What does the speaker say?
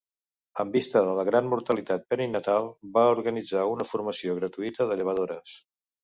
En vista de la gran mortalitat perinatal, va organitzar una formació gratuïta de llevadores.